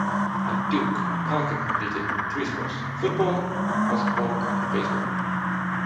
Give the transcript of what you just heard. At Duke, Parker competed in three sports: football, basketball and baseball.